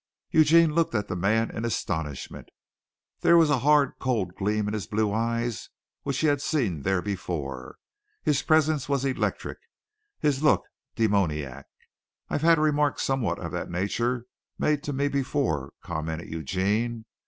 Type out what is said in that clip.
Eugene looked at the man in astonishment. There was a hard, cold gleam in his blue eyes which he had seen there before. His presence was electric his look demoniac. "I've had a remark somewhat of that nature made to me before," commented Eugene.